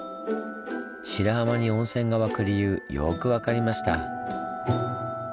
白浜に温泉が湧く理由よく分かりました。